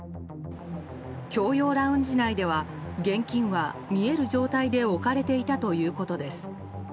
共用ラウンジ内では現金は見える状況で置かれていたということです。